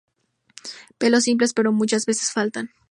Pelos simples, pero muchas veces faltan.